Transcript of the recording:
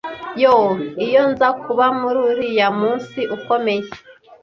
'Yoo, iyo nza kuba muri uriya munsi ukomeye,